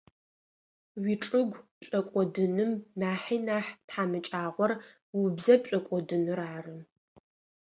Уичӏыгу пшӏокӏодыным нахьи нахь тхьамыкӏагъор убзэ пшӏокӏодыныр ары.